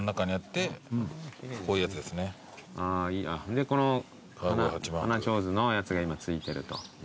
でこの花ちょうずのやつが今付いてると。